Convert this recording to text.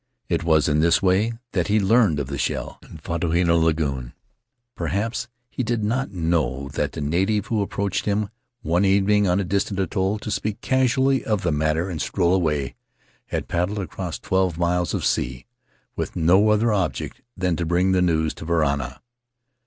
It was in this way that he learned of the shell in Fatuhina lagoon; perhaps he did not know that the native who approached him, one evening on a distant atoll, to speak casually of the matter and stroll away, had paddled across twelve miles of sea with no other object than to bring the news to Varana.